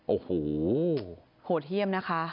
โอ้โหโหดเยี่ยมนะคะ